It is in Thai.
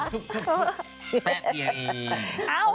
แปลต่ีอ่ะเอง